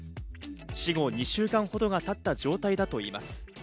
死後２週間ほどがたった状態だといいます。